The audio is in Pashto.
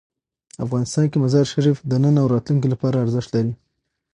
افغانستان کې مزارشریف د نن او راتلونکي لپاره ارزښت لري.